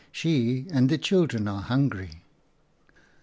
She and the children are hungry.'